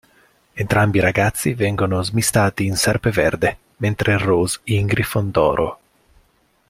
Entrambi i ragazzi vengono smistati in Serpeverde mentre Rose in Grifondoro.